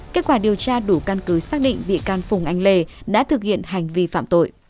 kết quả điều tra đủ căn cứ xác định bị can phùng anh lê đã thực hiện hành vi phạm tội